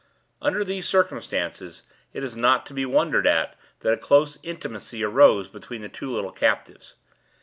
Under these circumstances, it is not to be wondered at that a close intimacy arose between the two little captives.